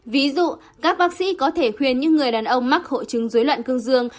ví dụ các bác sĩ có thể khuyên những người đàn ông mắc hội chứng dối loạn cương dương